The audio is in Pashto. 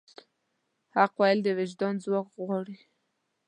حق ویل د وجدان ځواک غواړي.